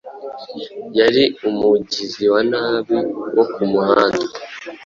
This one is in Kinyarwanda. Yari umugizi wa nabi wo ku muhanda